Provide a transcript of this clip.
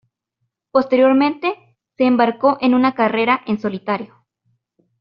Posteriormente se embarcó en una carrera en solitario.